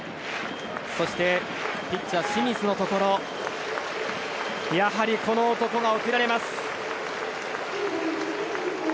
そしてピッチャー清水のところやはりこの男が送られます。